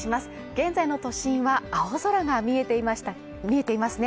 現在の都心は、青空が見えていますね